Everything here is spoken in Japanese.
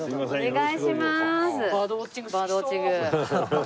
お願いします。